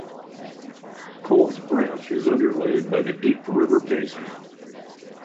Coles Branch is underlaid by the Deep River Basin.